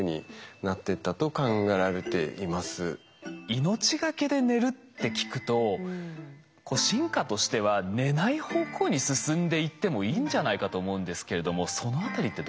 命がけで寝るって聞くと進化としては寝ない方向に進んでいってもいいんじゃないかと思うんですけれどもそのあたりってどうなんですか？